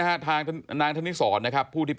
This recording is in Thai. ขอบคุณครับและขอบคุณครับ